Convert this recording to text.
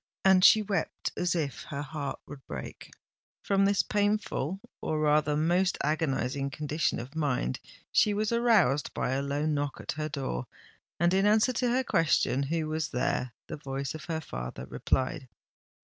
And she wept as if her heart would break. From this painful—or rather most agonising condition of mind, she was aroused by a low knock at her door; and, in answer to her question who was there, the voice of her father replied.